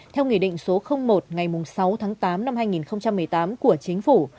theo nghị định số một ngày sáu tháng tám năm hai nghìn một mươi tám của chính phủ